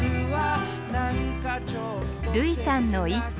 類さんの一句。